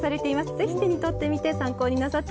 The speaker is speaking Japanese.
ぜひ手に取ってみて参考になさってください。